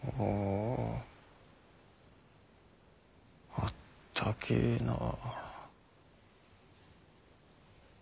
あったけぇなぁ。